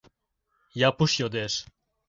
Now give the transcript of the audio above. — Япуш йодеш.